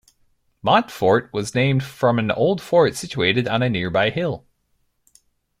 Montfort was named from an old fort situated on a nearby hill.